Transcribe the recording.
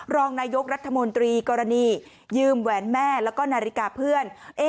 รองนายกรัฐมนตรีกรณียืมแหวนแม่แล้วก็นาฬิกาเพื่อน